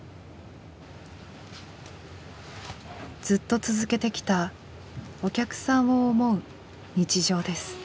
ずっと続けてきたお客さんを思う日常です。